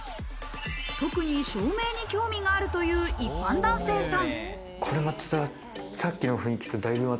特に照明に興味があるという一般男性さん。